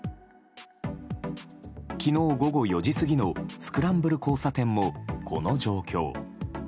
昨日、午後４時過ぎのスクランブル交差点もこの状況。